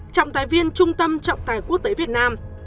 trọng tài viên trung tâm trọng tài quốc tế việt nam